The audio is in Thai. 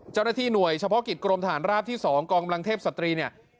เจ้าหน้าที่หน่วยเฉพาะกิจกรมฐานราบที่๒กองกำลังเทพสตรีเนี่ย